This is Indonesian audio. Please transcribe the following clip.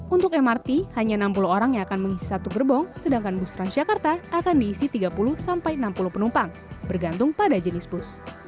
untuk mrt hanya enam puluh orang yang akan mengisi satu gerbong sedangkan bus transjakarta akan diisi tiga puluh sampai enam puluh penumpang bergantung pada jenis bus